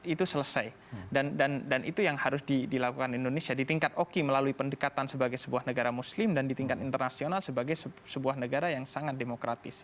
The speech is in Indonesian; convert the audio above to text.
itu selesai dan itu yang harus dilakukan indonesia di tingkat oki melalui pendekatan sebagai sebuah negara muslim dan di tingkat internasional sebagai sebuah negara yang sangat demokratis